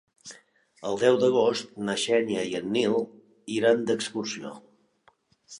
El deu d'agost na Xènia i en Nil iran d'excursió.